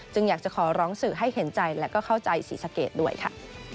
อยากจะขอร้องสื่อให้เห็นใจและก็เข้าใจศรีสะเกดด้วยค่ะ